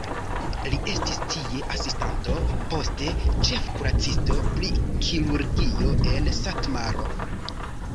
Li estis tie asistanto, poste ĉefkuracisto pri kirurgio en Satmaro.